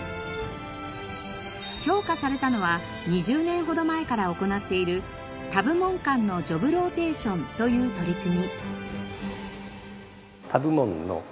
評価されたのは２０年ほど前から行っている「他部門間のジョブローテーション」という取り組み。